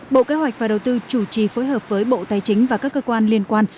bộ kế hoạch và đầu tư chủ trì phối hợp với bộ tài chính và các cơ quan liên quan